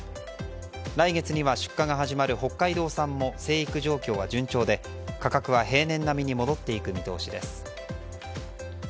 来月には出荷が始まる北海道産も生育状況は順調で価格は平年並みに戻っていく見通しです。